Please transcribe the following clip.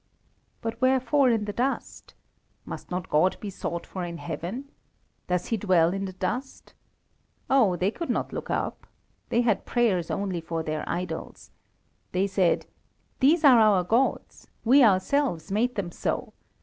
But wherefore in the dust? Must not God be sought for in heaven? Does He dwell in the dust? Oh! they could not look up. They had prayers only for their idols. They said: "These are our gods. We ourselves made them so."